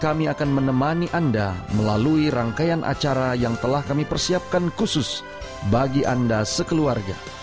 kami akan menemani anda melalui rangkaian acara yang telah kami persiapkan khusus bagi anda sekeluarga